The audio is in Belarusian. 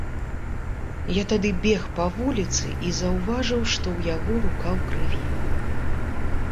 Я тады бег па вуліцы і заўважыў, што ў яго рука ў крыві.